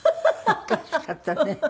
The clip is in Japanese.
おかしかったね。